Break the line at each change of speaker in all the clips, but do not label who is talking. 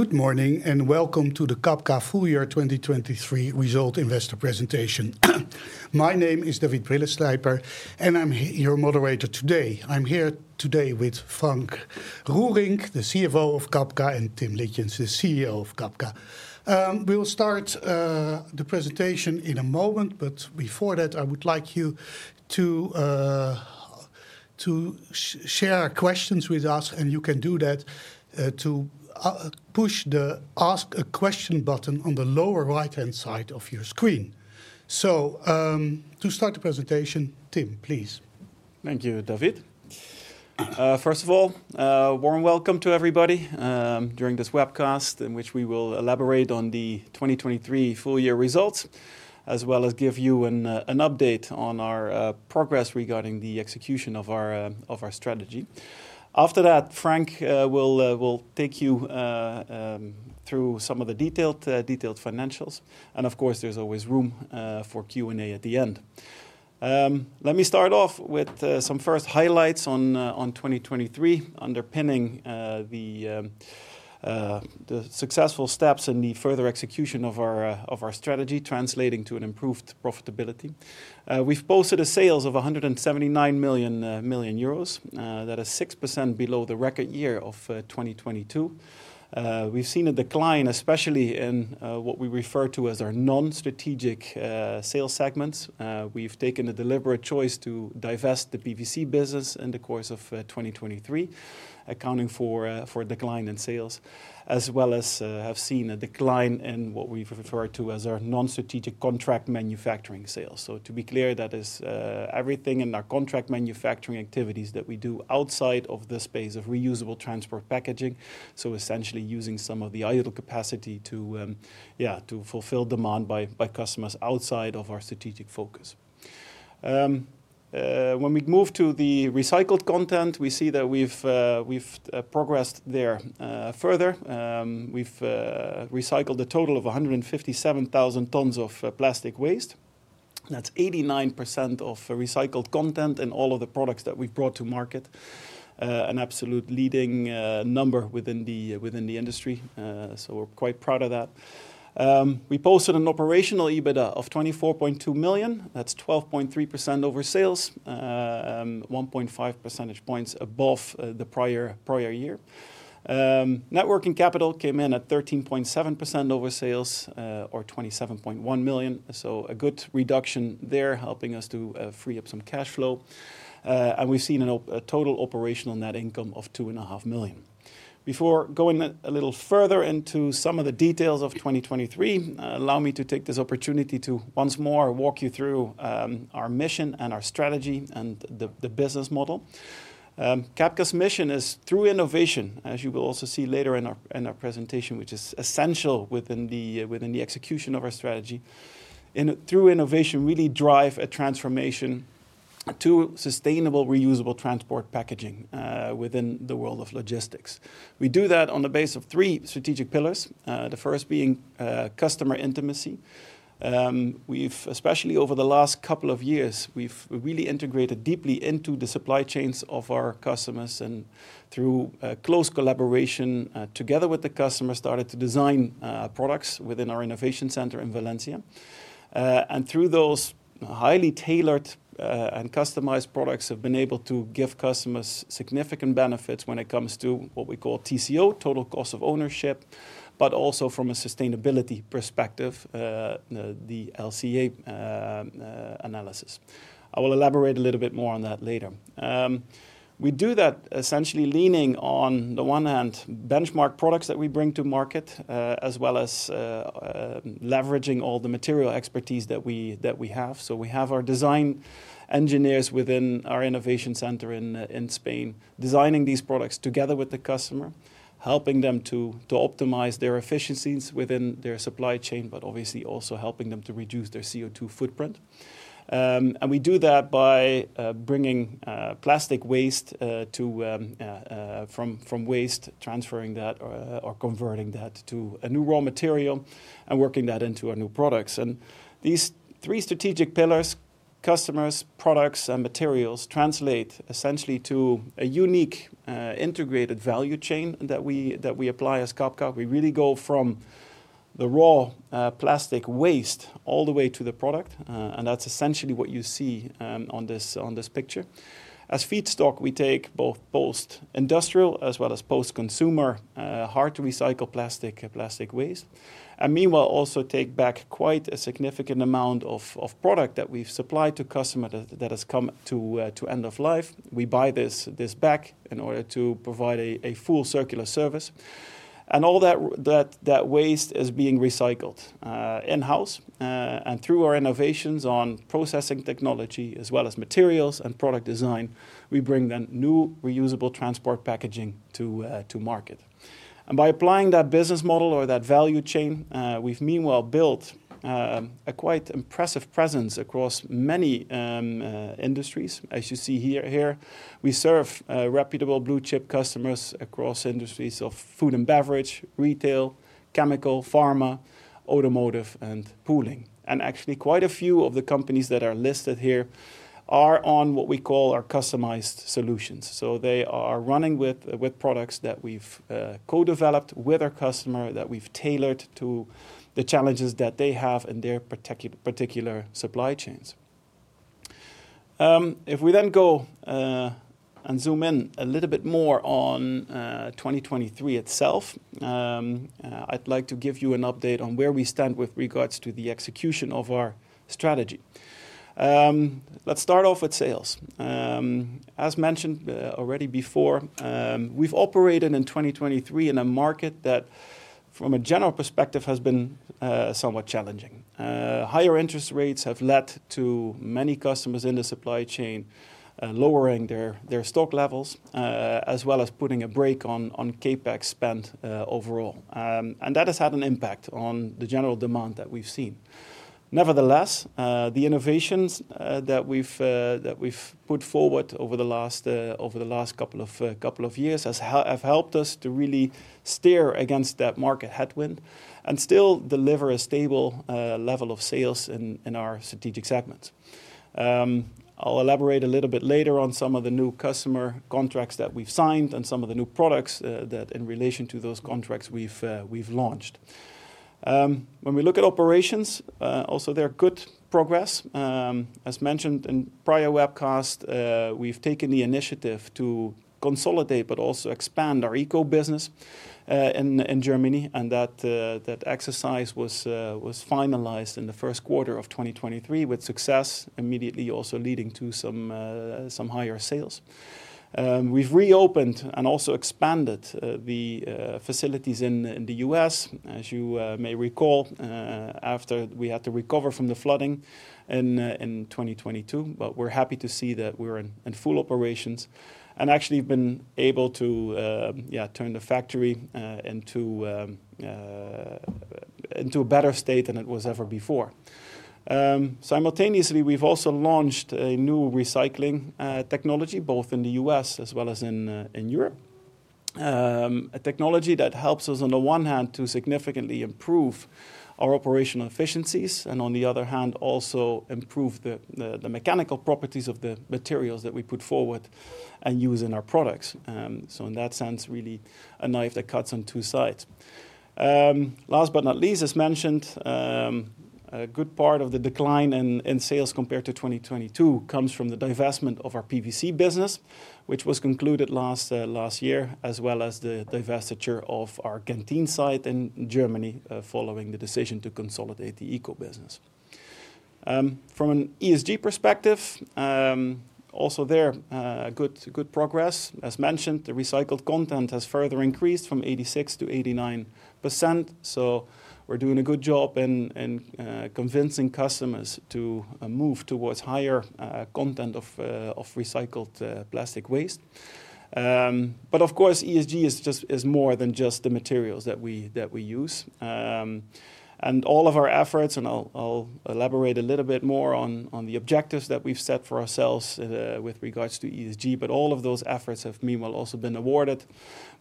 Good morning and welcome to the Cabka Full Year 2023 Result Investor Presentation. My name is David Brilleslijper, and I'm your moderator today. I'm here today with Frank Roerink, the CFO of Cabka, and Tim Litjens, the CEO of Cabka. We'll start the presentation in a moment, but before that I would like you to share questions with us, and you can do that to push the "Ask a Question" button on the lower right-hand side of your screen. To start the presentation, Tim, please.
Thank you, David. First of all, warm welcome to everybody during this webcast in which we will elaborate on the 2023 full year results, as well as give you an update on our progress regarding the execution of our strategy. After that, Frank will take you through some of the detailed financials, and of course there's always room for Q&A at the end. Let me start off with some first highlights on 2023 underpinning the successful steps in the further execution of our strategy, translating to an improved profitability. We've posted sales of 179 million euros, that is 6% below the record year of 2022. We've seen a decline, especially in what we refer to as our non-strategic sales segments. We've taken a deliberate choice to divest the PVC business in the course of 2023, accounting for a decline in sales, as well as have seen a decline in what we refer to as our non-strategic contract manufacturing sales. So, to be clear, that is everything in our contract manufacturing activities that we do outside of the space of reusable transport packaging, so essentially using some of the idle capacity to fulfill demand by customers outside of our strategic focus. When we move to the recycled content, we see that we've progressed there further. We've recycled a total of 157,000 tons of plastic waste. That's 89% of recycled content in all of the products that we've brought to market, an absolute leading number within the industry, so we're quite proud of that. We posted an operational EBITDA of 24.2 million, that's 12.3% of sales, 1.5 percentage points above the prior year. Net working capital came in at 13.7% of sales, or 27.1 million, so a good reduction there, helping us to free up some cash flow, and we've seen a total operational net income of 2.5 million. Before going a little further into some of the details of 2023, allow me to take this opportunity to once more walk you through our mission and our strategy and the business model. Cabka's mission is, through innovation, as you will also see later in our presentation, which is essential within the execution of our strategy, through innovation really drive a transformation to sustainable reusable transport packaging within the world of logistics. We do that on the basis of three strategic pillars, the first being customer intimacy. Especially over the last couple of years, we've really integrated deeply into the supply chains of our customers and, through close collaboration together with the customers, started to design products within our innovation center in Valencia. Through those highly tailored and customized products, we've been able to give customers significant benefits when it comes to what we call TCO, total cost of ownership, but also from a sustainability perspective, the LCA analysis. I will elaborate a little bit more on that later. We do that essentially leaning on, on the one hand, benchmark products that we bring to market, as well as leveraging all the material expertise that we have. We have our design engineers within our innovation center in Spain designing these products together with the customer, helping them to optimize their efficiencies within their supply chain, but obviously also helping them to reduce their CO2 footprint. We do that by bringing plastic waste from waste, transferring that, or converting that to a new raw material, and working that into our new products. These three strategic pillars: customers, products, and materials, translate essentially to a unique integrated value chain that we apply as Cabka. We really go from the raw plastic waste all the way to the product, and that's essentially what you see on this picture. As feedstock, we take both post-industrial as well as post-consumer hard-to-recycle plastic waste, and meanwhile also take back quite a significant amount of product that we've supplied to customers that has come to end of life. We buy this back in order to provide a full circular service. All that waste is being recycled in-house, and through our innovations on processing technology as well as materials and product design, we bring then new reusable transport packaging to market. By applying that business model or that value chain, we've meanwhile built a quite impressive presence across many industries. As you see here, we serve reputable blue chip customers across industries of food and beverage, retail, chemical, pharma, automotive, and pooling. And actually, quite a few of the companies that are listed here are on what we call our Customized Solutions. So, they are running with products that we've co-developed with our customer, that we've tailored to the challenges that they have in their particular supply chains. If we then go and zoom in a little bit more on 2023 itself, I'd like to give you an update on where we stand with regards to the execution of our strategy. Let's start off with sales. As mentioned already before, we've operated in 2023 in a market that, from a general perspective, has been somewhat challenging. Higher interest rates have led to many customers in the supply chain lowering their stock levels, as well as putting a brake on CapEx spend overall, and that has had an impact on the general demand that we've seen. Nevertheless, the innovations that we've put forward over the last couple of years have helped us to really steer against that market headwind and still deliver a stable level of sales in our strategic segments. I'll elaborate a little bit later on some of the new customer contracts that we've signed and some of the new products that, in relation to those contracts, we've launched. When we look at operations, also there are good progress. As mentioned in prior webcasts, we've taken the initiative to consolidate but also expand our Eco-business in Germany, and that exercise was finalized in the first quarter of 2023 with success, immediately also leading to some higher sales. We've reopened and also expanded the facilities in the U.S., as you may recall, after we had to recover from the flooding in 2022, but we're happy to see that we're in full operations and actually have been able to turn the factory into a better state than it was ever before. Simultaneously, we've also launched a new recycling technology, both in the U.S. as well as in Europe, a technology that helps us, on the one hand, to significantly improve our operational efficiencies and, on the other hand, also improve the mechanical properties of the materials that we put forward and use in our products. So, in that sense, really a knife that cuts on two sides. Last but not least, as mentioned, a good part of the decline in sales compared to 2022 comes from the divestment of our PVC business, which was concluded last year, as well as the divestiture of our Genthin site in Germany following the decision to consolidate the Eco-business. From an ESG perspective, also there good progress. As mentioned, the recycled content has further increased from 86%-89%, so we're doing a good job in convincing customers to move toward higher content of recycled plastic waste. But of course, ESG is more than just the materials that we use, and all of our efforts, and I'll elaborate a little bit more on the objectives that we've set for ourselves with regard to ESG, but all of those efforts have meanwhile also been awarded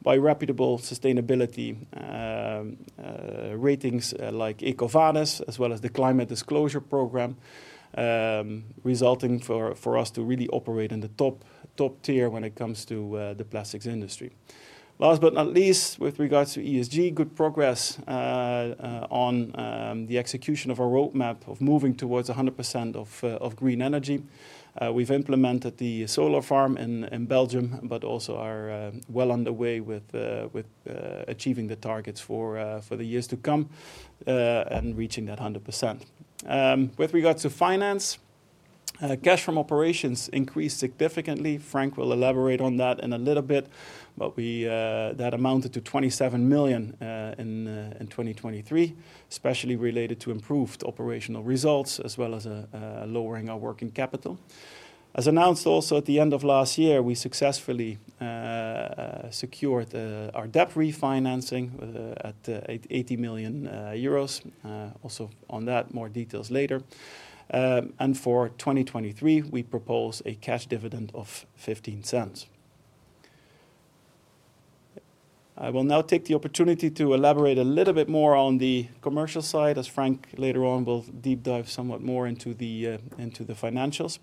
by reputable sustainability ratings like EcoVadis, as well as the Climate Disclosure Project, resulting for us to really operate in the top tier when it comes to the plastics industry. Last but not least, with regard to ESG, good progress on the execution of our roadmap of moving towards 100% of green energy. We've implemented the solar farm in Belgium, but also are well underway with achieving the targets for the years to come and reaching that 100%. With regards to finance, cash from operations increased significantly. Frank will elaborate on that in a little bit, but that amounted to 27 million in 2023, especially related to improved operational results as well as lowering our working capital. As announced also at the end of last year, we successfully secured our debt refinancing at 80 million euros. Also on that, more details later. For 2023, we propose a cash dividend of 0.15. I will now take the opportunity to elaborate a little bit more on the commercial side, as Frank later on will deep dive somewhat more into the financials.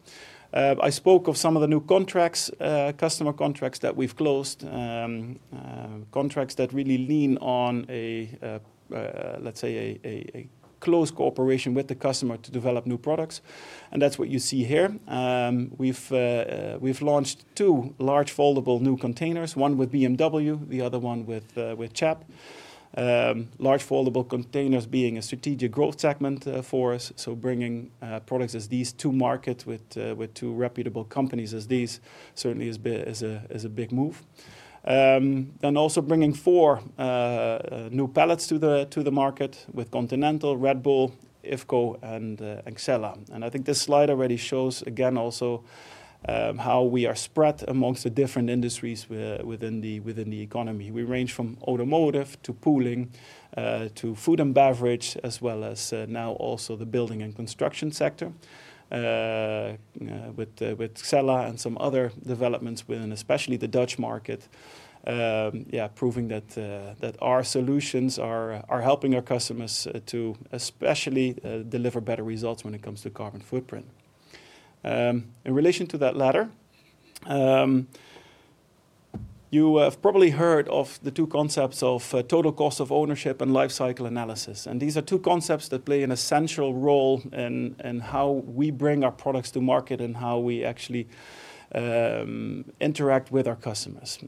I spoke of some of the new contracts, customer contracts that we've closed, contracts that really lean on, let's say, a close cooperation with the customer to develop new products, and that's what you see here. We've launched two large foldable new containers, one with BMW, the other one with CHEP. Large foldable containers being a strategic growth segment for us, so bringing products as these to market with two reputable companies as these certainly is a big move. Also bringing four new pallets to the market with Continental, Red Bull, IFCO, and Xella. I think this slide already shows, again, also how we are spread amongst the different industries within the economy. We range from automotive to pooling to food and beverage, as well as now also the building and construction sector, with Xella and some other developments within, especially the Dutch market, proving that our solutions are helping our customers to especially deliver better results when it comes to carbon footprint. In relation to that latter, you have probably heard of the two concepts of total cost of ownership and lifecycle analysis, and these are two concepts that play an essential role in how we bring our products to market and how we actually interact with our customers.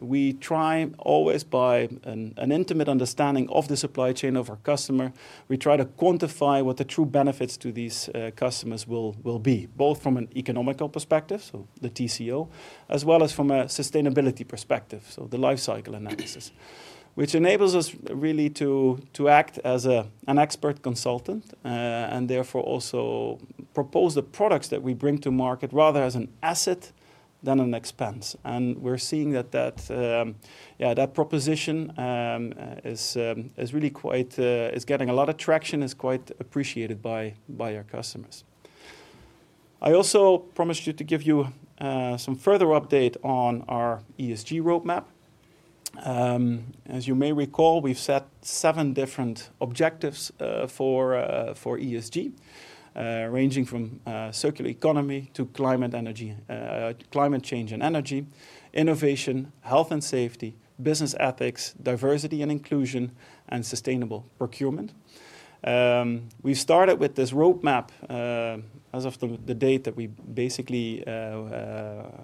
We try always, by an intimate understanding of the supply chain of our customer, we try to quantify what the true benefits to these customers will be, both from an economical perspective, so the TCO, as well as from a sustainability perspective, so the lifecycle analysis, which enables us really to act as an expert consultant and therefore also propose the products that we bring to market rather as an asset than an expense. We're seeing that that proposition is really quite getting a lot of traction, is quite appreciated by our customers. I also promised you to give you some further update on our ESG roadmap. As you may recall, we've set seven different objectives for ESG, ranging from circular economy to climate change and energy, innovation, health and safety, business ethics, diversity and inclusion, and sustainable procurement. We started with this roadmap as of the date that we basically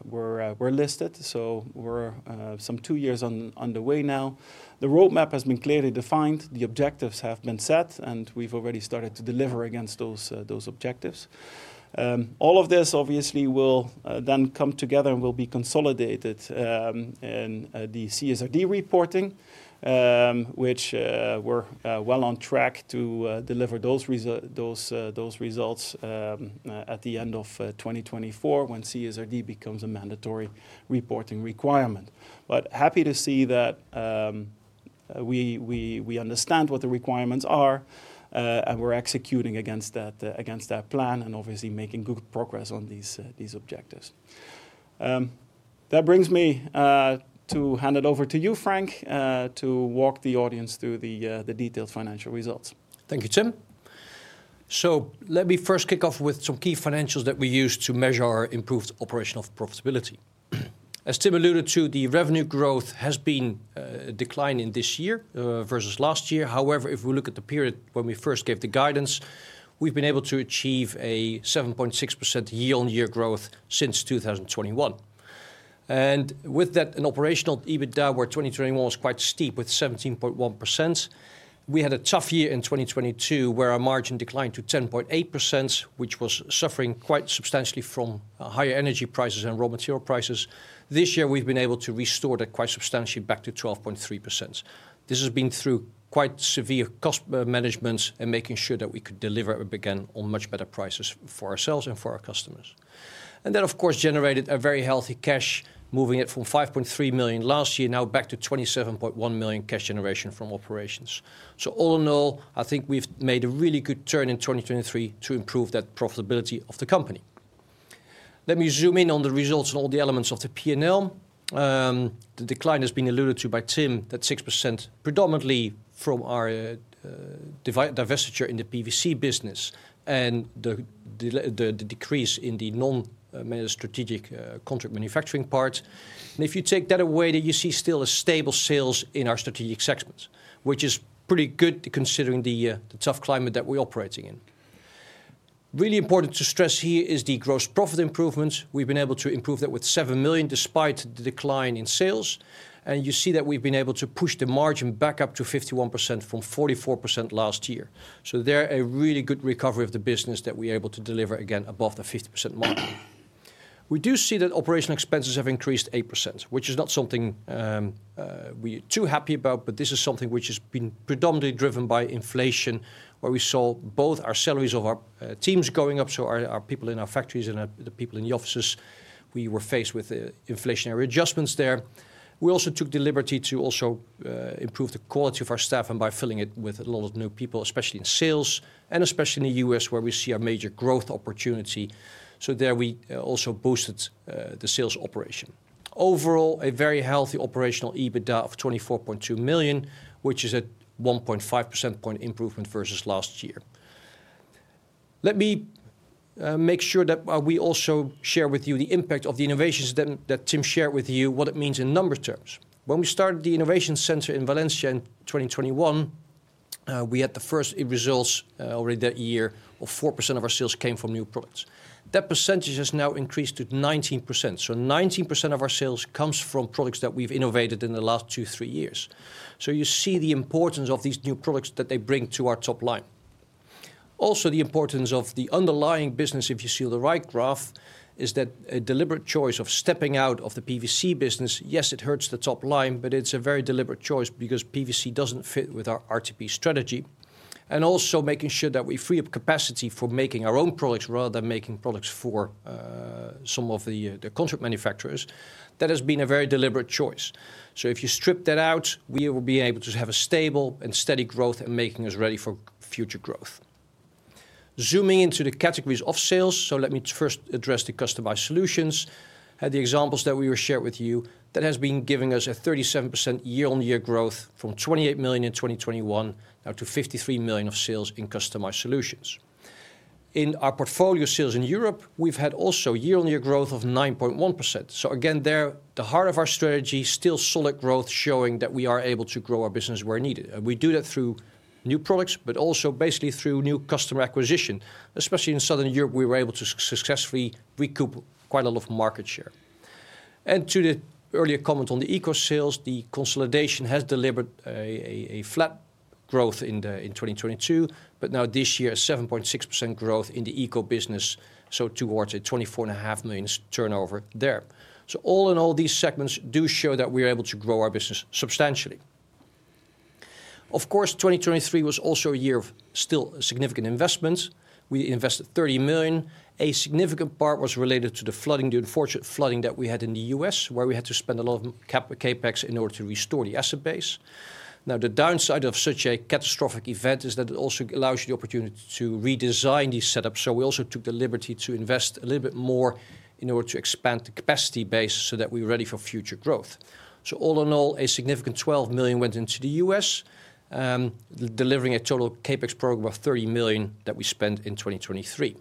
were listed, so we're some two years underway now. The roadmap has been clearly defined, the objectives have been set, and we've already started to deliver against those objectives. All of this, obviously, will then come together and will be consolidated in the CSRD reporting, which we're well on track to deliver those results at the end of 2024 when CSRD becomes a mandatory reporting requirement. But happy to see that we understand what the requirements are and we're executing against that plan and obviously making good progress on these objectives. That brings me to hand it over to you, Frank, to walk the audience through the detailed financial results.
Thank you, Tim. So, let me first kick off with some key financials that we use to measure our improved operational profitability. As Tim alluded to, the revenue growth has been declining this year versus last year. However, if we look at the period when we first gave the guidance, we've been able to achieve a 7.6% year-on-year growth since 2021. And with that, an operational EBITDA where 2021 was quite steep with 17.1%, we had a tough year in 2022 where our margin declined to 10.8%, which was suffering quite substantially from higher energy prices and raw material prices. This year, we've been able to restore that quite substantially back to 12.3%. This has been through quite severe cost management and making sure that we could deliver again on much better prices for ourselves and for our customers. And that, of course, generated a very healthy cash, moving it from 5.3 million last year now back to 27.1 million cash generation from operations. So all in all, I think we've made a really good turn in 2023 to improve that profitability of the company. Let me zoom in on the results and all the elements of the P&L. The decline has been alluded to by Tim, that 6% predominantly from our divestiture in the PVC business and the decrease in the non-managed strategic contract manufacturing part. And if you take that away, then you see still a stable sales in our strategic segments, which is pretty good considering the tough climate that we're operating in. Really important to stress here is the gross profit improvements. We've been able to improve that with 7 million despite the decline in sales, and you see that we've been able to push the margin back up to 51% from 44% last year. So there is a really good recovery of the business that we're able to deliver again above the 50% mark. We do see that operational expenses have increased 8%, which is not something we're too happy about, but this is something which has been predominantly driven by inflation, where we saw both our salaries of our teams going up, so our people in our factories and the people in the offices, we were faced with inflationary adjustments there. We also took the liberty to also improve the quality of our staff and by filling it with a lot of new people, especially in sales and especially in the U.S., where we see our major growth opportunity. So there we also boosted the sales operation. Overall, a very healthy operational EBITDA of 24.2 million, which is at 1.5 percentage points improvement versus last year. Let me make sure that we also share with you the impact of the innovations that Tim shared with you, what it means in number terms. When we started the innovation center in Valencia in 2021, we had the first results already that year of 4% of our sales came from new products. That percentage has now increased to 19%, so 19% of our sales comes from products that we've innovated in the last two, three years. So you see the importance of these new products that they bring to our top line. Also, the importance of the underlying business, if you see on the right graph, is that a deliberate choice of stepping out of the PVC business. Yes, it hurts the top line, but it's a very deliberate choice because PVC doesn't fit with our RTP strategy. Also making sure that we free up capacity for making our own products rather than making products for some of the contract manufacturers, that has been a very deliberate choice. If you strip that out, we will be able to have a stable and steady growth and making us ready for future growth. Zooming into the categories of sales, so let me first address the Customized Solutions. Had the examples that we were shared with you, that has been giving us a 37% year-on-year growth from 28 million in 2021 now to 53 million of sales in Customized Solutions. In our portfolio sales in Europe, we've had also year-on-year growth of 9.1%. So again, there the heart of our strategy, still solid growth showing that we are able to grow our business where needed. We do that through new products, but also basically through new customer acquisition, especially in southern Europe, we were able to successfully recoup quite a lot of market share. To the earlier comment on the Eco sales, the consolidation has delivered a flat growth in 2022, but now this year a 7.6% growth in the Eco-business, so towards a 24.5 million turnover there. All in all, these segments do show that we are able to grow our business substantially. Of course, 2023 was also a year of still significant investments. We invested 30 million. A significant part was related to the flooding, the unfortunate flooding that we had in the U.S., where we had to spend a lot of CapEx in order to restore the asset base. Now, the downside of such a catastrophic event is that it also allows you the opportunity to redesign these setups. So we also took the liberty to invest a little bit more in order to expand the capacity base so that we're ready for future growth. So all in all, a significant 12 million went into the U.S., delivering a total CapEx program of 30 million that we spent in 2023.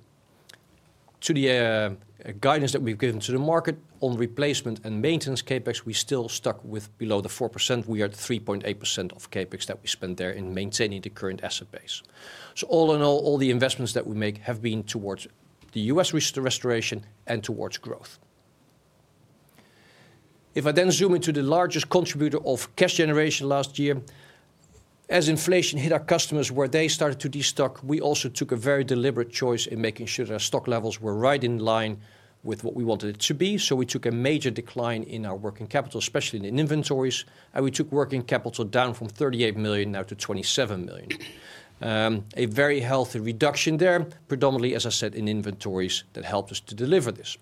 To the guidance that we've given to the market on replacement and maintenance CapEx, we still stuck with below 4%. We are at 3.8% of CapEx that we spend there in maintaining the current asset base. So all in all, all the investments that we make have been towards the U.S. restoration and towards growth. If I then zoom into the largest contributor of cash generation last year, as inflation hit our customers where they started to destock, we also took a very deliberate choice in making sure that our stock levels were right in line with what we wanted it to be. So we took a major decline in our working capital, especially in inventories, and we took working capital down from 38 million now to 27 million. A very healthy reduction there, predominantly, as I said, in inventories that helped us to deliver this.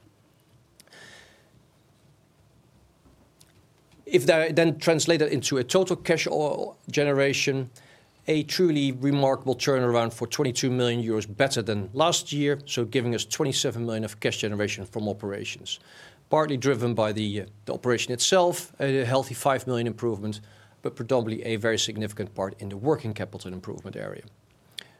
If I then translate that into a total cash generation, a truly remarkable turnaround for 22 million euros better than last year, so giving us 27 million of cash generation from operations, partly driven by the operation itself, a healthy 5 million improvement, but predominantly a very significant part in the working capital improvement area.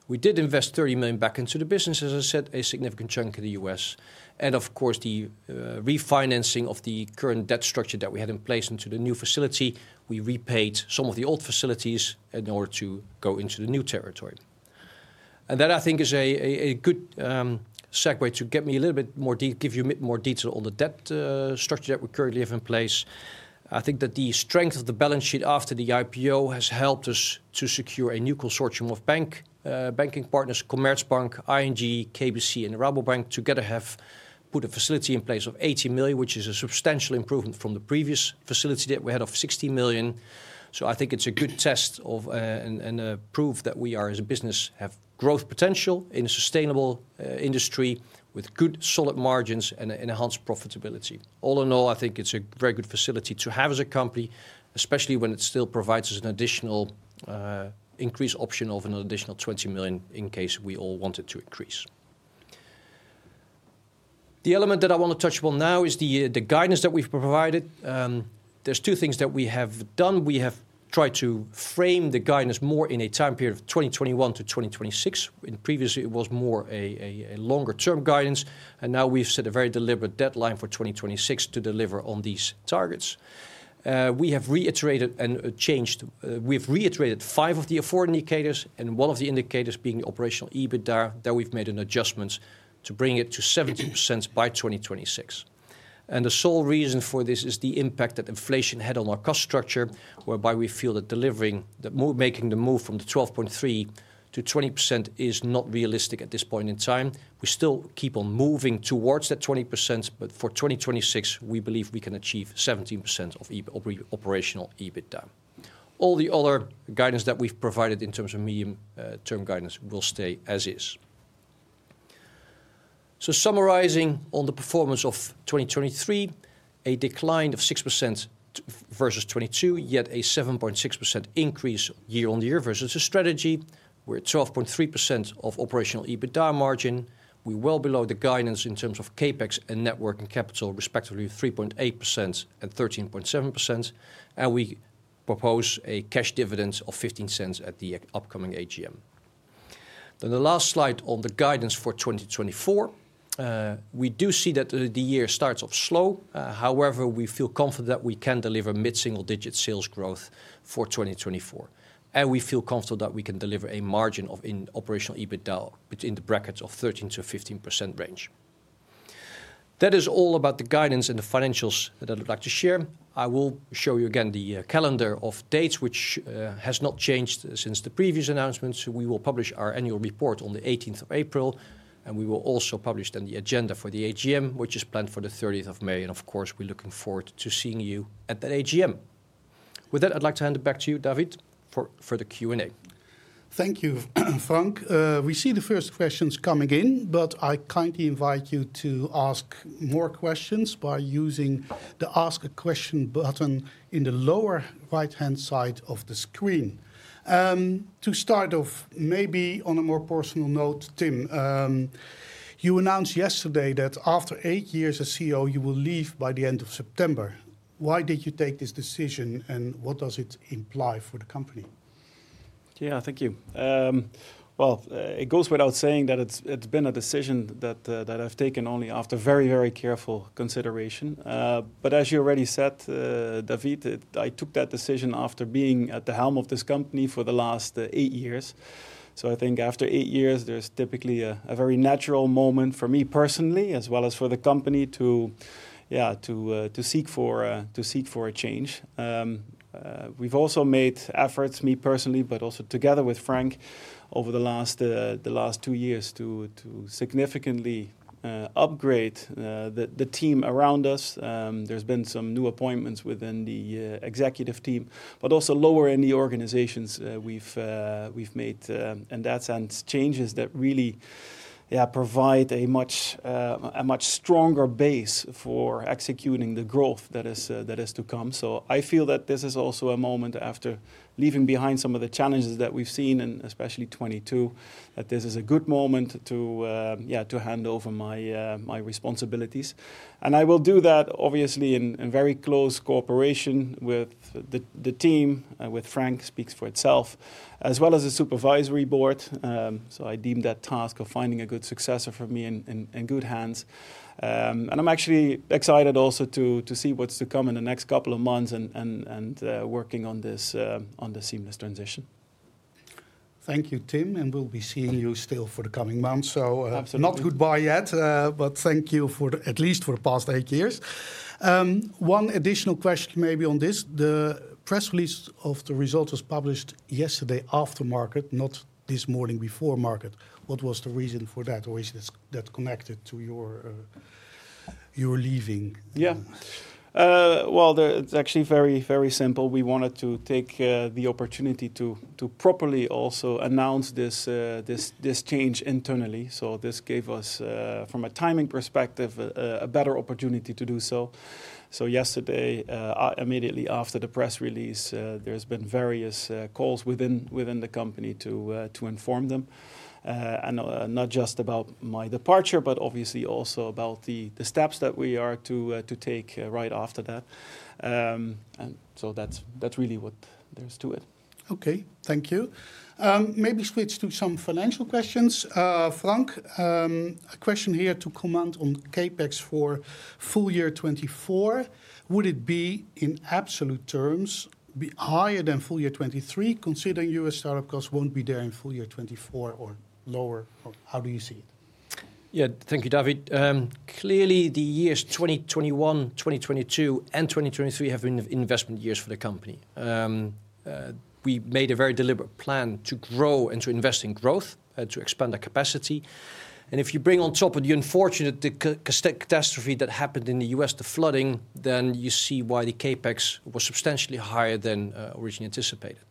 We did invest 30 million back into the business, as I said, a significant chunk in the U.S. Of course, the refinancing of the current debt structure that we had in place into the new facility. We repaid some of the old facilities in order to go into the new territory. That, I think, is a good segue to give you a little bit more detail on the debt structure that we currently have in place. I think that the strength of the balance sheet after the IPO has helped us to secure a new consortium of banking partners, Commerzbank, ING, KBC, and Rabobank, together have put a facility in place of 80 million, which is a substantial improvement from the previous facility that we had of 60 million. So I think it's a good test and proof that we are as a business have growth potential in a sustainable industry with good solid margins and enhanced profitability. All in all, I think it's a very good facility to have as a company, especially when it still provides us an additional increase option of an additional 20 million in case we all wanted to increase. The element that I want to touch on now is the guidance that we've provided. There's two things that we have done. We have tried to frame the guidance more in a time period of 2021 to 2026. Previously, it was more a longer-term guidance, and now we've set a very deliberate deadline for 2026 to deliver on these targets. We have reiterated and changed five of the forward indicators, and one of the indicators being the operational EBITDA, that we've made an adjustment to bring it to 17% by 2026. The sole reason for this is the impact that inflation had on our cost structure, whereby we feel that making the move from the 12.3%-20% is not realistic at this point in time. We still keep on moving towards that 20%, but for 2026, we believe we can achieve 17% operational EBITDA. All the other guidance that we've provided in terms of medium-term guidance will stay as is. Summarizing on the performance of 2023, a decline of 6% versus 2022, yet a 7.6% increase year-on-year versus the strategy. We're at 12.3% operational EBITDA margin. We're well below the guidance in terms of CapEx and net working capital, respectively 3.8% and 13.7%, and we propose a cash dividend of 0.15 at the upcoming AGM. Then the last slide on the guidance for 2024. We do see that the year starts off slow. However, we feel confident that we can deliver mid-single digit sales growth for 2024, and we feel comfortable that we can deliver a margin of operational EBITDA within the brackets of 13%-15% range. That is all about the guidance and the financials that I'd like to share. I will show you again the calendar of dates, which has not changed since the previous announcement. We will publish our annual report on the 18th of April, and we will also publish then the agenda for the AGM, which is planned for the 30th of May. Of course, we're looking forward to seeing you at that AGM. With that, I'd like to hand it back to you, David, for the Q&A.
Thank you, Frank. We see the first questions coming in, but I kindly invite you to ask more questions by using the Ask a Question button in the lower right-hand side of the screen. To start off, maybe on a more personal note, Tim, you announced yesterday that after eight years as CEO, you will leave by the end of September. Why did you take this decision, and what does it imply for the company?
Yeah, thank you. Well, it goes without saying that it's been a decision that I've taken only after very, very careful consideration. But as you already said, David, I took that decision after being at the helm of this company for the last eight years. So I think after eight years, there's typically a very natural moment for me personally, as well as for the company, to seek for a change. We've also made efforts, me personally, but also together with Frank, over the last two years to significantly upgrade the team around us. There's been some new appointments within the executive team, but also lower in the organizations we've made, and those changes that really provide a much stronger base for executing the growth that is to come. So I feel that this is also a moment after leaving behind some of the challenges that we've seen, and especially 2022, that this is a good moment to hand over my responsibilities. And I will do that, obviously, in very close cooperation with the team. With Frank, speaks for itself, as well as the supervisory board. So I deem that task of finding a good successor for me in good hands. And I'm actually excited also to see what's to come in the next couple of months and working on this seamless transition.
Thank you, Tim, and we'll be seeing you still for the coming months. So not goodbye yet, but thank you for at least for the past eight years. One additional question maybe on this. The press release of the results was published yesterday after market, not this morning before market. What was the reason for that, or is that connected to your leaving?
Yeah. Well, it's actually very, very simple. We wanted to take the opportunity to properly also announce this change internally. So this gave us, from a timing perspective, a better opportunity to do so. So yesterday, immediately after the press release, there's been various calls within the company to inform them, and not just about my departure, but obviously also about the steps that we are to take right after that. And so that's really what there's to it.
Okay, thank you. Maybe switch to some financial questions. Frank, a question here to comment on CapEx for full year 2024. Would it be, in absolute terms, higher than full year 2023, considering U.S. startup costs won't be there in full year 2024 or lower? How do you see it?
Yeah, thank you, David. Clearly, the years 2021, 2022, and 2023 have been investment years for the company. We made a very deliberate plan to grow and to invest in growth, to expand our capacity. And if you bring on top of the unfortunate catastrophe that happened in the U.S., the flooding, then you see why the CapEx was substantially higher than originally anticipated.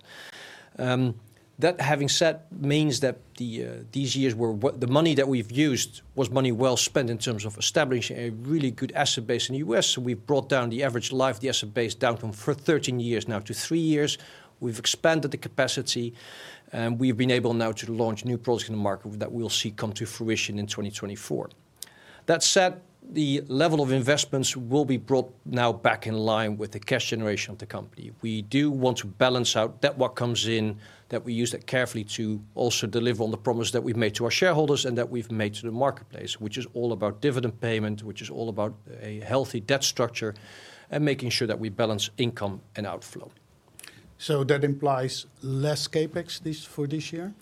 That having said, means that these years were the money that we've used was money well spent in terms of establishing a really good asset base in the U.S. So we've brought down the average life of the asset base down from 13 years now to 3 years. We've expanded the capacity, and we've been able now to launch new products in the market that we'll see come to fruition in 2024. That said, the level of investments will be brought now back in line with the cash generation of the company. We do want to balance out debt what comes in that we use that carefully to also deliver on the promise that we've made to our shareholders and that we've made to the marketplace, which is all about dividend payment, which is all about a healthy debt structure, and making sure that we balance income and outflow.
So that implies less CapEx for this year?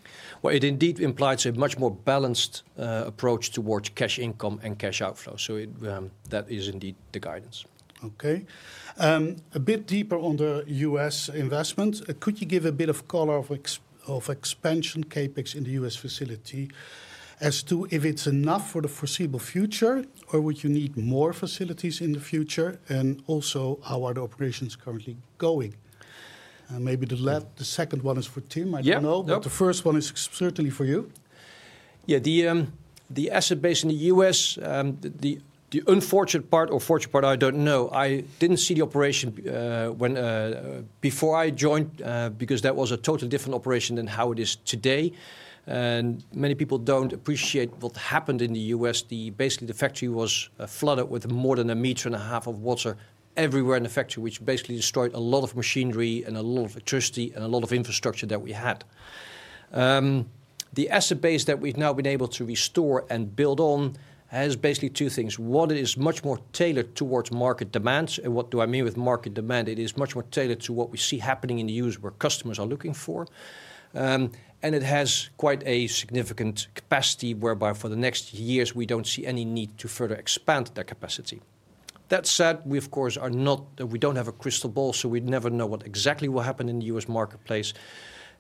Well, it indeed implies a much more balanced approach towards cash income and cash outflow. So that is indeed the guidance.
Okay. A bit deeper on the U.S. investments, could you give a bit of color of expansion CapEx in the U.S. facility as to if it's enough for the foreseeable future, or would you need more facilities in the future, and also how are the operations currently going? Maybe the second one is for Tim, I don't know, but the first one is certainly for you.
Yeah, the asset base in the U.S., the unfortunate part or fortunate part, I don't know. I didn't see the operation before I joined because that was a totally different operation than how it is today. Many people don't appreciate what happened in the U.S. Basically, the factory was flooded with more than 1.5 m of water everywhere in the factory, which basically destroyed a lot of machinery and a lot of electricity and a lot of infrastructure that we had. The asset base that we've now been able to restore and build on has basically two things. One, it is much more tailored towards market demands. What do I mean with market demand? It is much more tailored to what we see happening in the U.S., where customers are looking for. It has quite a significant capacity whereby for the next years, we don't see any need to further expand that capacity. That said, we, of course, don't have a crystal ball, so we'd never know what exactly will happen in the U.S. marketplace.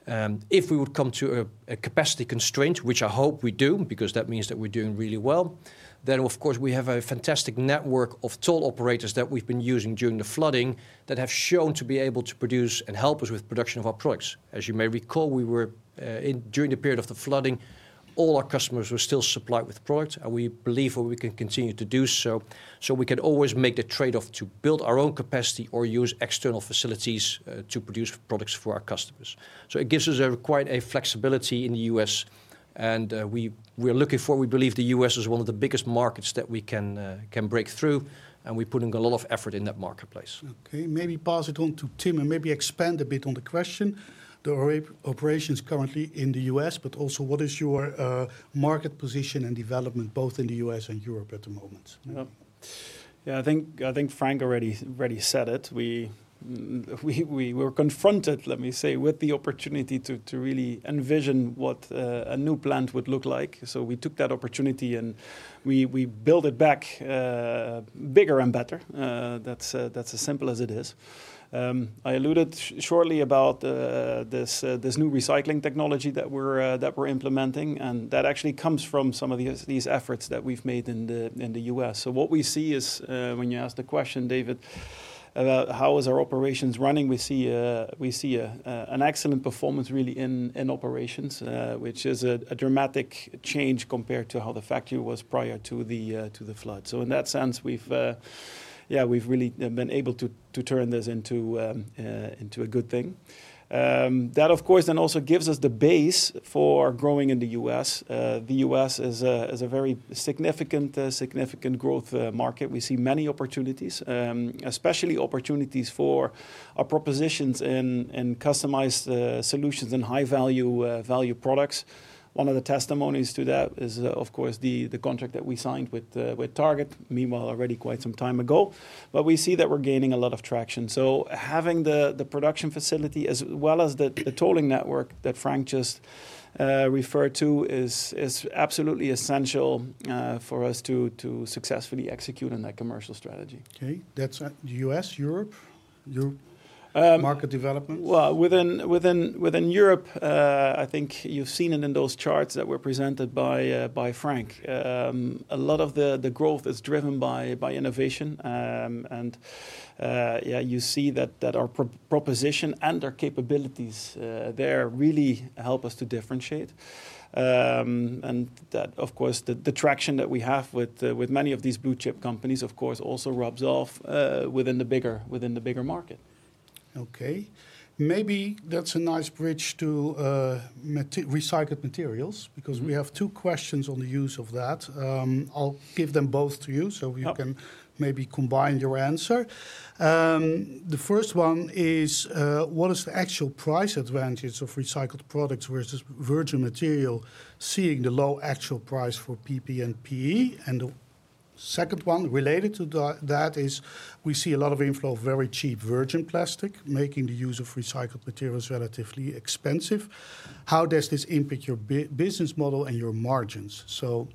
If we would come to a capacity constraint, which I hope we do because that means that we're doing really well, then, of course, we have a fantastic network of toll operators that we've been using during the flooding that have shown to be able to produce and help us with production of our products. As you may recall, during the period of the flooding, all our customers were still supplied with products, and we believe we can continue to do so. So we can always make the trade-off to build our own capacity or use external facilities to produce products for our customers. So it gives us quite a flexibility in the U.S., and we believe the U.S. is one of the biggest markets that we can break through, and we're putting a lot of effort in that marketplace.
Okay, maybe pass it on to Tim and maybe expand a bit on the question. The operations currently in the U.S., but also what is your market position and development both in the U.S. and Europe at the moment?
Yeah, I think Frank already said it. We were confronted, let me say, with the opportunity to really envision what a new plant would look like. So we took that opportunity, and we built it back bigger and better. That's as simple as it is. I alluded shortly about this new recycling technology that we're implementing, and that actually comes from some of these efforts that we've made in the U.S. So what we see is when you ask the question, David, about how are our operations running, we see an excellent performance, really, in operations, which is a dramatic change compared to how the factory was prior to the flood. So in that sense, yeah, we've really been able to turn this into a good thing. That, of course, then also gives us the base for growing in the U.S. The U.S. is a very significant growth market. We see many opportunities, especially opportunities for our propositions in Customized Solutions and high-value products. One of the testimonies to that is, of course, the contract that we signed with Target, meanwhile, already quite some time ago. But we see that we're gaining a lot of traction. So having the production facility as well as the tolling network that Frank just referred to is absolutely essential for us to successfully execute on that commercial strategy.
Okay, that's the U.S., Europe? Your market developments?
Well, within Europe, I think you've seen it in those charts that were presented by Frank. A lot of the growth is driven by innovation, and yeah, you see that our proposition and our capabilities there really help us to differentiate. And that, of course, the traction that we have with many of these blue-chip companies, of course, also rubs off within the bigger market.
Okay. Maybe that's a nice bridge to recycled materials because we have two questions on the use of that. I'll give them both to you so you can maybe combine your answer. The first one is, what is the actual price advantage of recycled products versus virgin material, seeing the low actual price for PP and PE? And the second one related to that is, we see a lot of inflow of very cheap virgin plastic, making the use of recycled materials relatively expensive. How does this impact your business model and your margins? So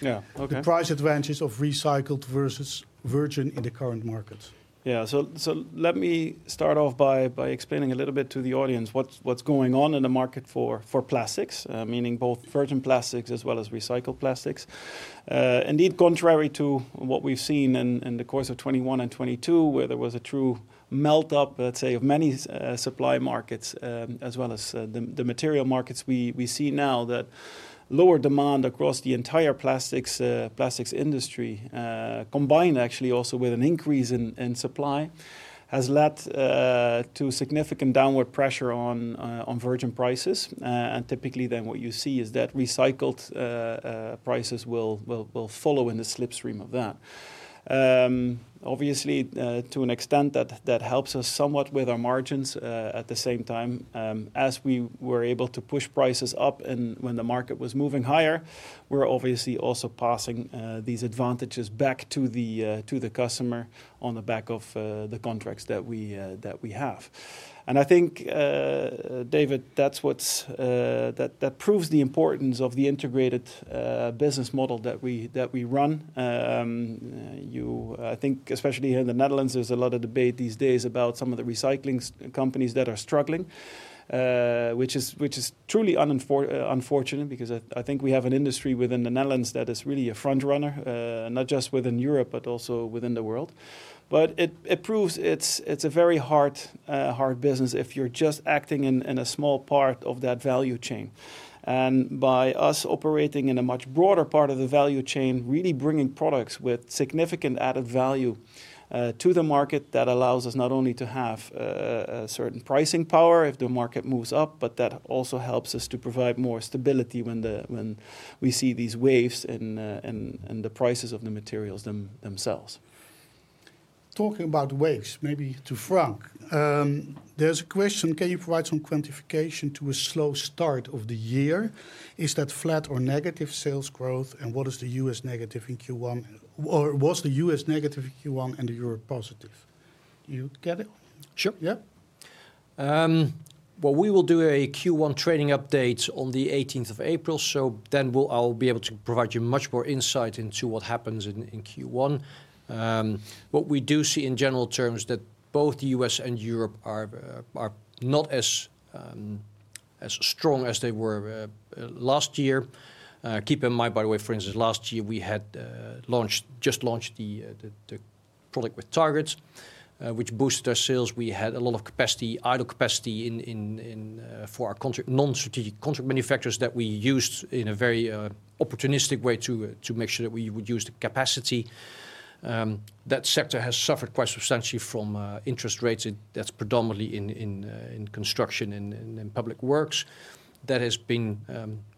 the price advantage of recycled versus virgin in the current market.
Yeah, so let me start off by explaining a little bit to the audience what's going on in the market for plastics, meaning both virgin plastics as well as recycled plastics. Indeed, contrary to what we've seen in the course of 2021 and 2022, where there was a true melt-up, let's say, of many supply markets, as well as the material markets, we see now that lower demand across the entire plastics industry, combined actually also with an increase in supply, has led to significant downward pressure on virgin prices. And typically, then what you see is that recycled prices will follow in the slipstream of that. Obviously, to an extent, that helps us somewhat with our margins. At the same time, as we were able to push prices up when the market was moving higher, we're obviously also passing these advantages back to the customer on the back of the contracts that we have. I think, David, that proves the importance of the integrated business model that we run. I think, especially here in the Netherlands, there's a lot of debate these days about some of the recycling companies that are struggling, which is truly unfortunate because I think we have an industry within the Netherlands that is really a frontrunner, not just within Europe, but also within the world. But it proves it's a very hard business if you're just acting in a small part of that value chain. By us operating in a much broader part of the value chain, really bringing products with significant added value to the market that allows us not only to have a certain pricing power if the market moves up, but that also helps us to provide more stability when we see these waves in the prices of the materials themselves.
Talking about waves, maybe to Frank, there's a question. Can you provide some quantification to a slow start of the year? Is that flat or negative sales growth, and what is the U.S. negative in Q1? Or was the U.S. negative in Q1 and Europe positive? You get it?
Sure.
Yeah?
Well, we will do a Q1 trading update on the 18th of April, so then I'll be able to provide you much more insight into what happens in Q1. What we do see, in general terms, is that both the U.S. and Europe are not as strong as they were last year. Keep in mind, by the way, for instance, last year we had just launched the product with Target, which boosted our sales. We had a lot of capacity, idle capacity, for our non-strategic contract manufacturers that we used in a very opportunistic way to make sure that we would use the capacity. That sector has suffered quite substantially from interest rates that's predominantly in construction and in public works. That has been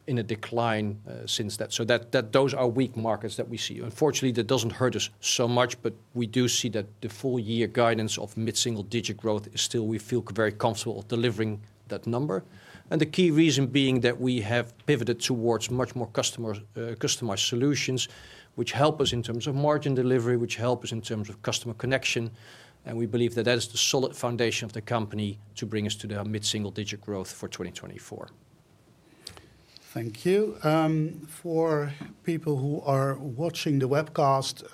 in a decline since then. So those are weak markets that we see. Unfortunately, that doesn't hurt us so much, but we do see that the full-year guidance of mid-single-digit growth is still, we feel, very comfortable delivering that number. The key reason being that we have pivoted towards much more Customized Solutions, which help us in terms of margin delivery, which help us in terms of customer connection. We believe that that is the solid foundation of the company to bring us to the mid-single-digit growth for 2024.
Thank you. For people who are watching the webcast,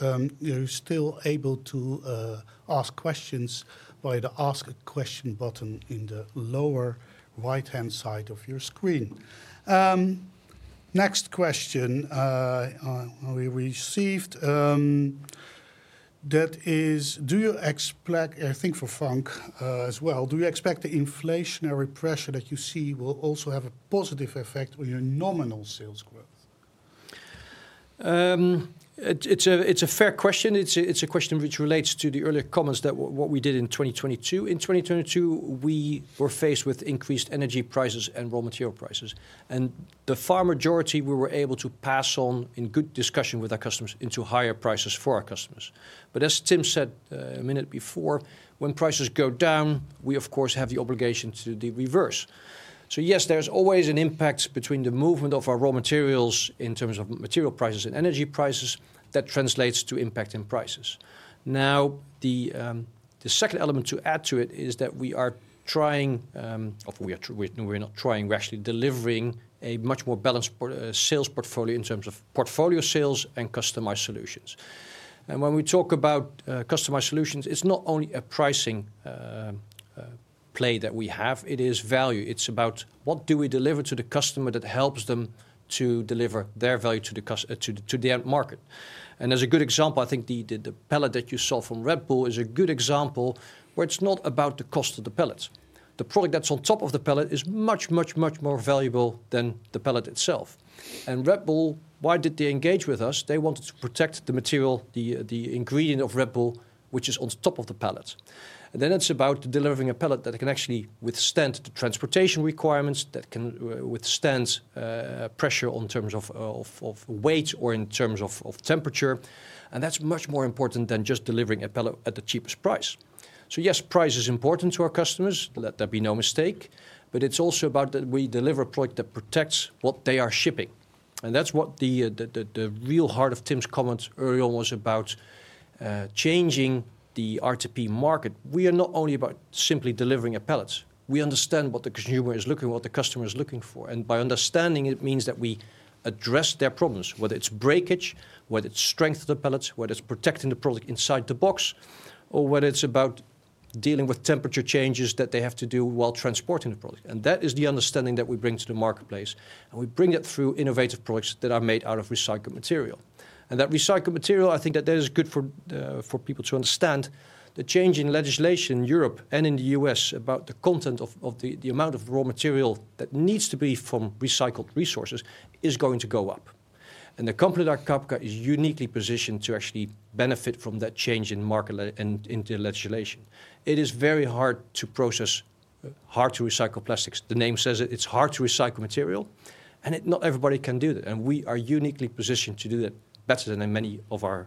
you're still able to ask questions via the Ask a Question button in the lower right-hand side of your screen. Next question we received, that is, do you expect I think for Frank as well, do you expect the inflationary pressure that you see will also have a positive effect on your nominal sales growth?
It's a fair question. It's a question which relates to the earlier comments that what we did in 2022. In 2022, we were faced with increased energy prices and raw material prices. The far majority we were able to pass on, in good discussion with our customers, into higher prices for our customers. But as Tim said a minute before, when prices go down, we, of course, have the obligation to the reverse. Yes, there's always an impact between the movement of our raw materials in terms of material prices and energy prices that translates to impact in prices. Now, the second element to add to it is that we are trying well, we're not trying. We're actually delivering a much more balanced sales portfolio in terms of portfolio sales and Customized Solutions. When we talk about Customized Solutions, it's not only a pricing play that we have. It is value. It's about what do we deliver to the customer that helps them to deliver their value to the end market. And as a good example, I think the pallet that you saw from Red Bull is a good example where it's not about the cost of the pallet. The product that's on top of the pallet is much, much, much more valuable than the pallet itself. And Red Bull, why did they engage with us? They wanted to protect the material, the ingredient of Red Bull, which is on top of the pallet. And then it's about delivering a pallet that can actually withstand the transportation requirements, that can withstand pressure in terms of weight or in terms of temperature. And that's much more important than just delivering a pallet at the cheapest price. So yes, price is important to our customers, let there be no mistake. But it's also about that we deliver a product that protects what they are shipping. And that's what the real heart of Tim's comments earlier on was about, changing the RTP market. We are not only about simply delivering a pallet. We understand what the consumer is looking, what the customer is looking for. And by understanding, it means that we address their problems, whether it's breakage, whether it's strength of the pallets, whether it's protecting the product inside the box, or whether it's about dealing with temperature changes that they have to do while transporting the product. And that is the understanding that we bring to the marketplace. And we bring that through innovative products that are made out of recycled material. And that recycled material, I think that that is good for people to understand. The change in legislation in Europe and in the U.S. about the content of the amount of raw material that needs to be from recycled resources is going to go up. And the company like Cabka is uniquely positioned to actually benefit from that change in market and into legislation. It is very hard to process, hard to recycle plastics. The name says it. It's hard to recycle material, and not everybody can do that. And we are uniquely positioned to do that better than many of our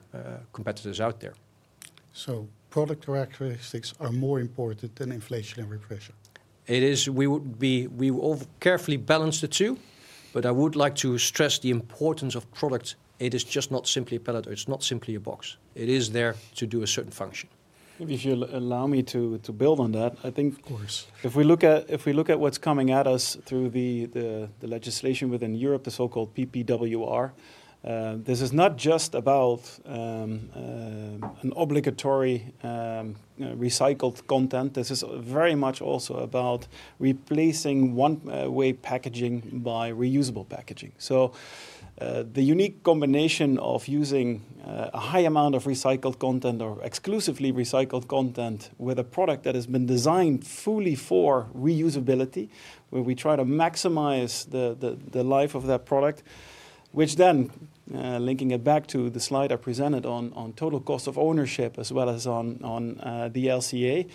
competitors out there.
So product characteristics are more important than inflationary pressure?
It is. We will carefully balance the two. But I would like to stress the importance of product. It is just not simply a pallet. It's not simply a box. It is there to do a certain function.
Maybe if you'll allow me to build on that, I think.
Of course.
If we look at what's coming at us through the legislation within Europe, the so-called PPWR, this is not just about an obligatory recycled content. This is very much also about replacing one-way packaging by reusable packaging. So the unique combination of using a high amount of recycled content or exclusively recycled content with a product that has been designed fully for reusability, where we try to maximize the life of that product, which then linking it back to the slide I presented on total cost of ownership as well as on the LCA,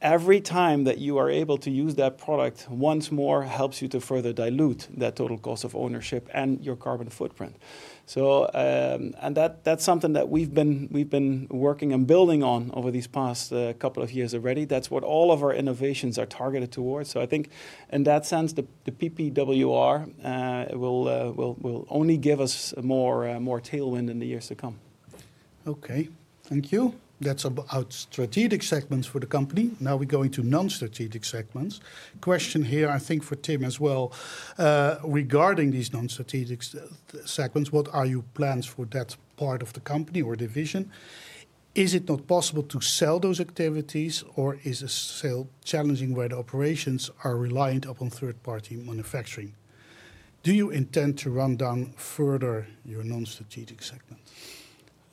every time that you are able to use that product once more helps you to further dilute that total cost of ownership and your carbon footprint. And that's something that we've been working and building on over these past couple of years already. That's what all of our innovations are targeted towards. I think, in that sense, the PPWR will only give us more tailwind in the years to come.
Okay. Thank you. That's about strategic segments for the company. Now we're going to non-strategic segments. Question here, I think, for Tim as well. Regarding these non-strategic segments, what are your plans for that part of the company or division? Is it not possible to sell those activities, or is a sale challenging where the operations are reliant upon third-party manufacturing? Do you intend to run down further your non-strategic segment?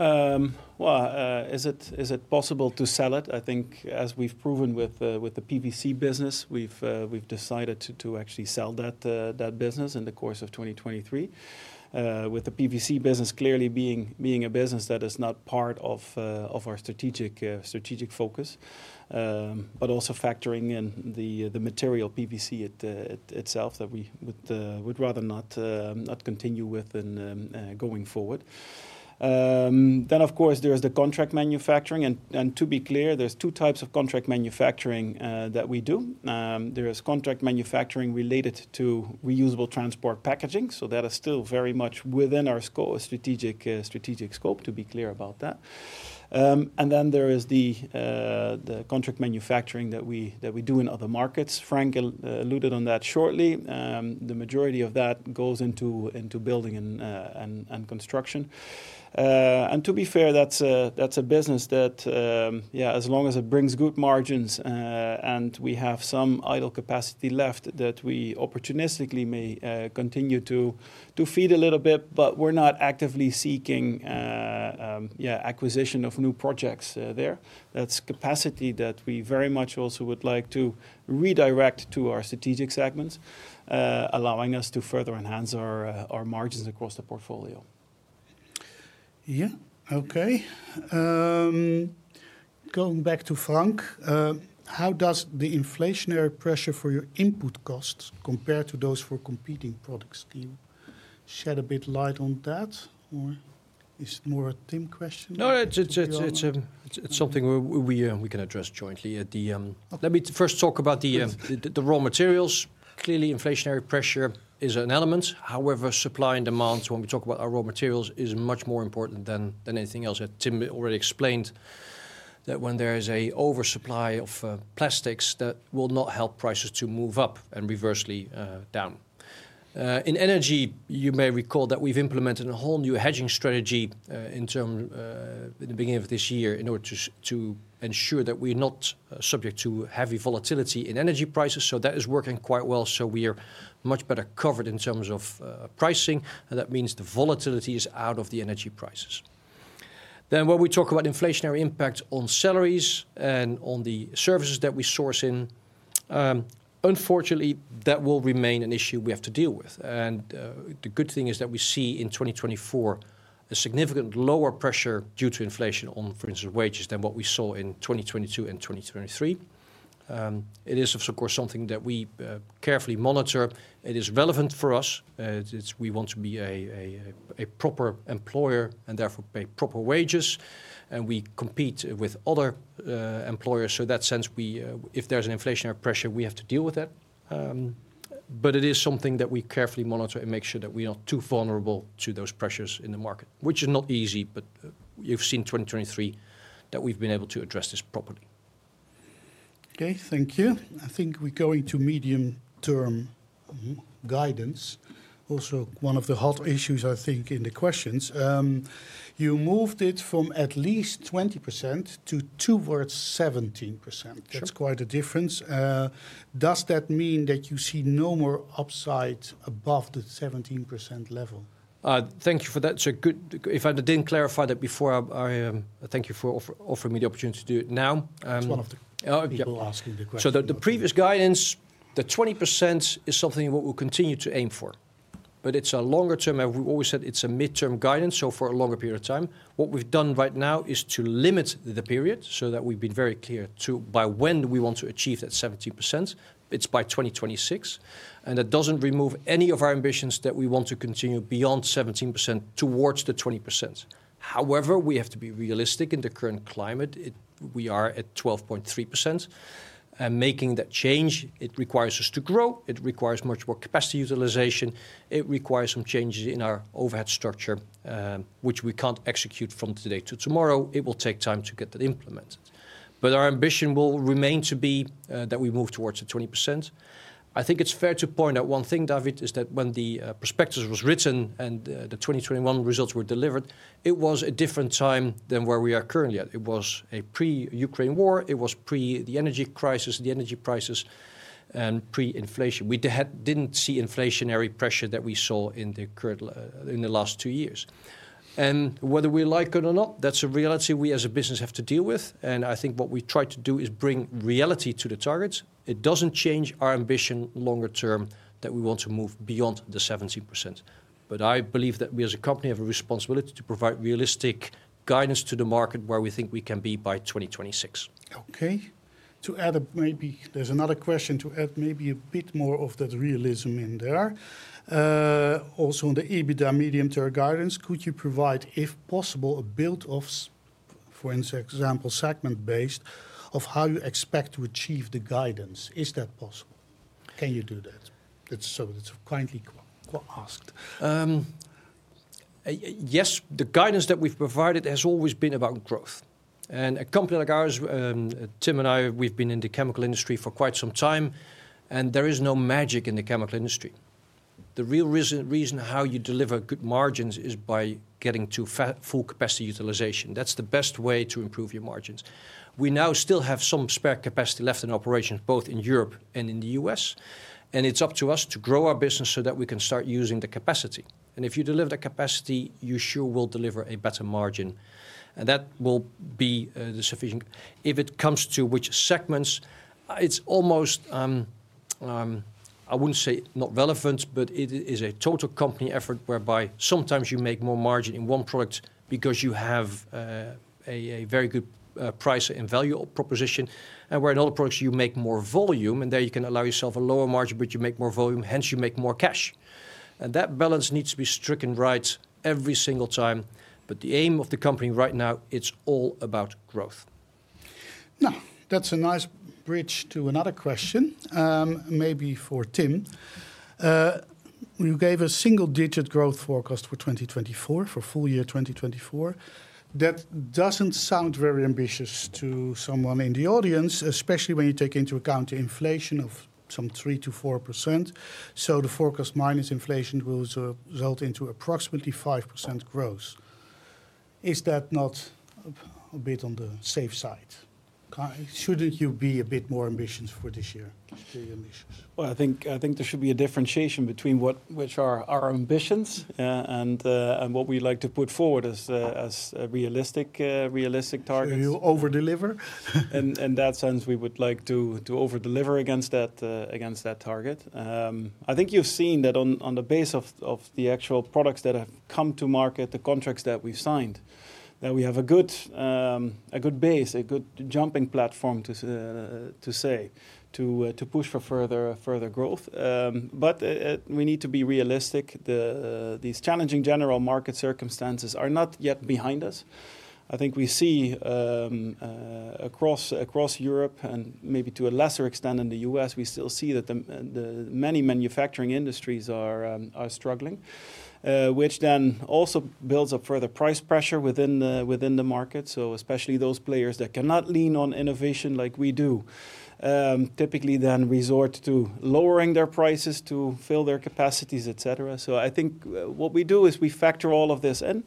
Well, is it possible to sell it? I think, as we've proven with the PVC business, we've decided to actually sell that business in the course of 2023, with the PVC business clearly being a business that is not part of our strategic focus, but also factoring in the material PVC itself that we would rather not continue with going forward. Then, of course, there is the contract manufacturing. And to be clear, there's two types of contract manufacturing that we do. There is contract manufacturing related to reusable transport packaging. So that is still very much within our strategic scope, to be clear about that. And then there is the contract manufacturing that we do in other markets. Frank alluded on that shortly. The majority of that goes into building and construction. To be fair, that's a business that, yeah, as long as it brings good margins and we have some idle capacity left that we opportunistically may continue to feed a little bit, but we're not actively seeking acquisition of new projects there. That's capacity that we very much also would like to redirect to our strategic segments, allowing us to further enhance our margins across the portfolio.
Yeah. Okay. Going back to Frank, how does the inflationary pressure for your input costs compare to those for competing products? Can you shed a bit light on that, or is it more a Tim question?
No, it's something we can address jointly. Let me first talk about the raw materials. Clearly, inflationary pressure is an element. However, supply and demand, when we talk about our raw materials, is much more important than anything else. Tim already explained that when there is an oversupply of plastics, that will not help prices to move up and reversely down. In energy, you may recall that we've implemented a whole new hedging strategy in the beginning of this year in order to ensure that we're not subject to heavy volatility in energy prices. So that is working quite well. So we are much better covered in terms of pricing. And that means the volatility is out of the energy prices. Then when we talk about inflationary impact on salaries and on the services that we source in, unfortunately, that will remain an issue we have to deal with. The good thing is that we see in 2024 a significant lower pressure due to inflation on, for instance, wages than what we saw in 2022 and 2023. It is, of course, something that we carefully monitor. It is relevant for us. We want to be a proper employer and therefore pay proper wages. We compete with other employers. In that sense, if there's an inflationary pressure, we have to deal with that. It is something that we carefully monitor and make sure that we are not too vulnerable to those pressures in the market, which is not easy. You've seen 2023 that we've been able to address this properly.
Okay. Thank you. I think we're going to medium-term guidance. Also, one of the hot issues, I think, in the questions, you moved it from at least 20% to towards 17%. That's quite a difference. Does that mean that you see no more upside above the 17% level?
Thank you for that. If I didn't clarify that before, thank you for offering me the opportunity to do it now.
It's one of the people asking the question.
So the previous guidance, the 20% is something what we'll continue to aim for. But it's a longer term. We've always said it's a mid-term guidance. So for a longer period of time, what we've done right now is to limit the period so that we've been very clear by when we want to achieve that 17%. It's by 2026. And that doesn't remove any of our ambitions that we want to continue beyond 17% towards the 20%. However, we have to be realistic. In the current climate, we are at 12.3%. And making that change, it requires us to grow. It requires much more capacity utilization. It requires some changes in our overhead structure, which we can't execute from today to tomorrow. It will take time to get that implemented. But our ambition will remain to be that we move towards the 20%. I think it's fair to point out one thing, David, is that when the prospectus was written and the 2021 results were delivered, it was a different time than where we are currently at. It was a pre-Ukraine war. It was pre-the energy crisis, the energy prices, and pre-inflation. We didn't see inflationary pressure that we saw in the last two years. And whether we like it or not, that's a reality we, as a business, have to deal with. And I think what we try to do is bring reality to the targets. It doesn't change our ambition longer term that we want to move beyond the 17%. But I believe that we, as a company, have a responsibility to provide realistic guidance to the market where we think we can be by 2026.
Okay. To add up, maybe there's another question to add, maybe a bit more of that realism in there. Also, on the EBITDA medium-term guidance, could you provide, if possible, a build-up, for example, segment-based, of how you expect to achieve the guidance? Is that possible? Can you do that? That's kindly asked.
Yes. The guidance that we've provided has always been about growth. And a company like ours, Tim and I, we've been in the chemical industry for quite some time. And there is no magic in the chemical industry. The real reason how you deliver good margins is by getting to full capacity utilization. That's the best way to improve your margins. We now still have some spare capacity left in operations, both in Europe and in the U.S. And it's up to us to grow our business so that we can start using the capacity. And if you deliver the capacity, you sure will deliver a better margin. And that will be sufficient. If it comes to which segments, it's almost, I wouldn't say not relevant, but it is a total company effort whereby sometimes you make more margin in one product because you have a very good price and value proposition, and where in other products you make more volume, and there you can allow yourself a lower margin, but you make more volume, hence you make more cash. That balance needs to be struck right every single time. The aim of the company right now, it's all about growth.
Now, that's a nice bridge to another question, maybe for Tim. You gave a single-digit growth forecast for 2024, for full year 2024. That doesn't sound very ambitious to someone in the audience, especially when you take into account the inflation of some 3%-4%. So the forecast minus inflation will result in approximately 5% growth. Is that not a bit on the safe side? Shouldn't you be a bit more ambitious for this year?
Well, I think there should be a differentiation between which are our ambitions and what we like to put forward as realistic targets.
You overdeliver.
In that sense, we would like to overdeliver against that target. I think you've seen that on the base of the actual products that have come to market, the contracts that we've signed, that we have a good base, a good jumping platform to say, to push for further growth. But we need to be realistic. These challenging general market circumstances are not yet behind us. I think we see across Europe and maybe to a lesser extent in the U.S., we still see that many manufacturing industries are struggling, which then also builds up further price pressure within the market. So especially those players that cannot lean on innovation like we do, typically then resort to lowering their prices to fill their capacities, etc. So I think what we do is we factor all of this in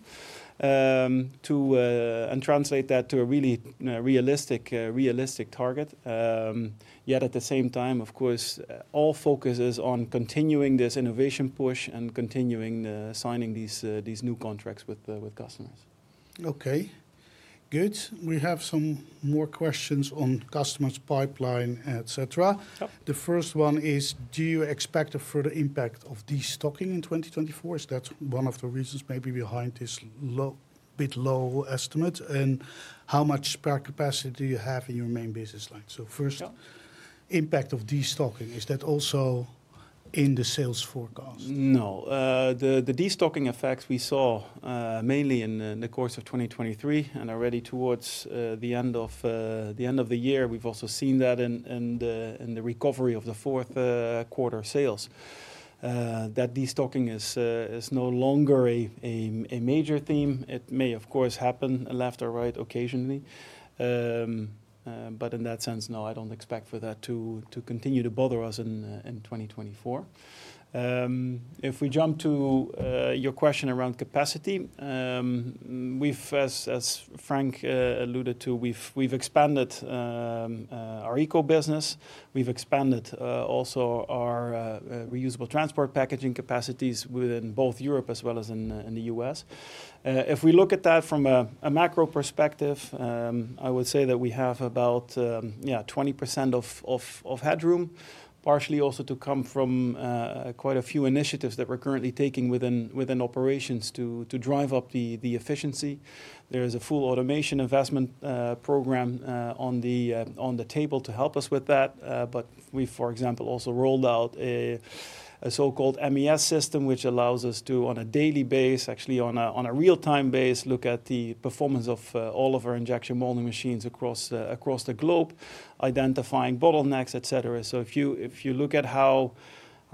and translate that to a really realistic target. Yet at the same time, of course, all focus is on continuing this innovation push and continuing signing these new contracts with customers.
Okay. Good. We have some more questions on customers' pipeline, etc. The first one is, do you expect a further impact of destocking in 2024? Is that one of the reasons maybe behind this bit low estimate? And how much spare capacity do you have in your main business line? So first, impact of destocking, is that also in the sales forecast?
No. The destocking effects we saw mainly in the course of 2023 and already towards the end of the year. We've also seen that in the recovery of the fourth quarter sales. That destocking is no longer a major theme. It may, of course, happen left or right occasionally. But in that sense, no, I don't expect for that to continue to bother us in 2024. If we jump to your question around capacity, as Frank alluded to, we've expanded our Eco-business. We've expanded also our reusable transport packaging capacities within both Europe as well as in the U.S. If we look at that from a macro perspective, I would say that we have about 20% of headroom, partially also to come from quite a few initiatives that we're currently taking within operations to drive up the efficiency. There is a full automation investment program on the table to help us with that. But we've, for example, also rolled out a so-called MES system, which allows us to, on a daily basis, actually on a real-time basis, look at the performance of all of our injection molding machines across the globe, identifying bottlenecks, etc. So if you look at how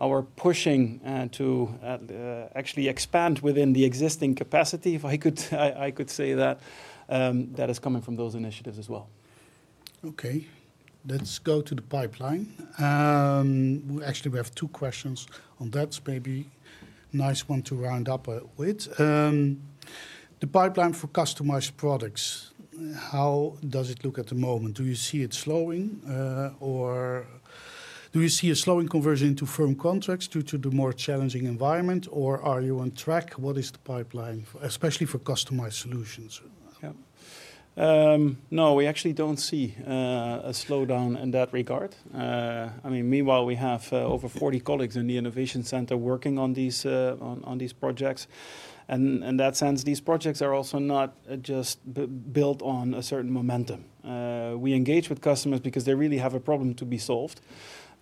we're pushing to actually expand within the existing capacity, if I could say that, that is coming from those initiatives as well.
Okay. Let's go to the pipeline. Actually, we have two questions on that. It's maybe a nice one to round up with. The pipeline for customized products, how does it look at the moment? Do you see it slowing, or do you see a slowing conversion into firm contracts due to the more challenging environment, or are you on track? What is the pipeline, especially for Customized Solutions?
Yeah. No, we actually don't see a slowdown in that regard. I mean, meanwhile, we have over 40 colleagues in the innovation center working on these projects. And in that sense, these projects are also not just built on a certain momentum. We engage with customers because they really have a problem to be solved.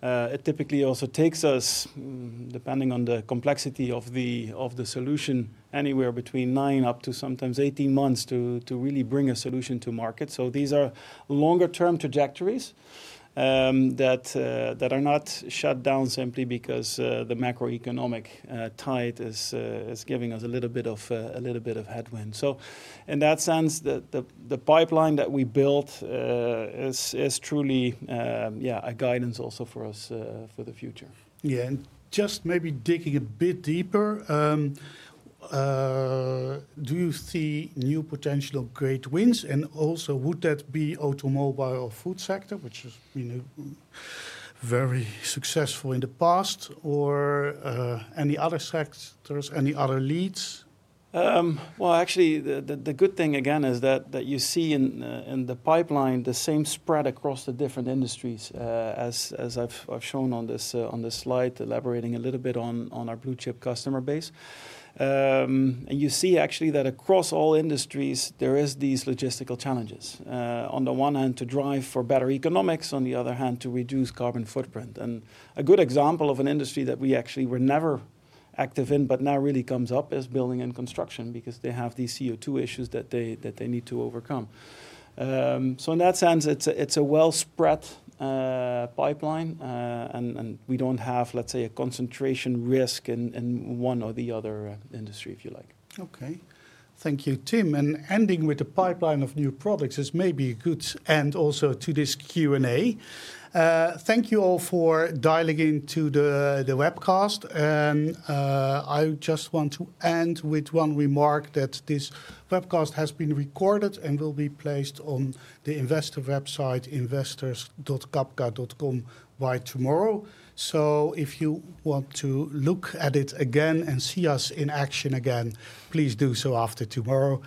It typically also takes us, depending on the complexity of the solution, anywhere between nine and up to sometimes 18 months to really bring a solution to market. So these are longer-term trajectories that are not shut down simply because the macroeconomic tide is giving us a little bit of headwind. So in that sense, the pipeline that we built is truly a guidance also for us for the future.
Yeah. And just maybe digging a bit deeper, do you see new potential tailwinds? And also, would that be automobile or food sector, which has been very successful in the past, or any other sectors, any other leads?
Well, actually, the good thing, again, is that you see in the pipeline the same spread across the different industries, as I've shown on this slide, elaborating a little bit on our blue-chip customer base. You see, actually, that across all industries, there are these logistical challenges. On the one hand, to drive for better economics. On the other hand, to reduce carbon footprint. A good example of an industry that we actually were never active in but now really comes up is building and construction because they have these CO2 issues that they need to overcome. In that sense, it's a well-spread pipeline. We don't have, let's say, a concentration risk in one or the other industry, if you like.
Okay. Thank you, Tim. Ending with the pipeline of new products is maybe a good end also to this Q&A. Thank you all for dialing into the webcast. I just want to end with one remark that this webcast has been recorded and will be placed on the investor website, investors.cabka.com, by tomorrow. So if you want to look at it again and see us in action again, please do so after tomorrow.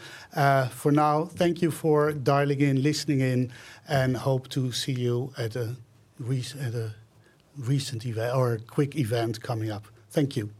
For now, thank you for dialing in, listening in, and hope to see you at a recent event or a quick event coming up. Thank you.